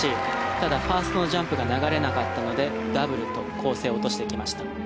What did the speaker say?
ただ、ファーストのジャンプが流れなかったのでダブルと構成を落としていきました。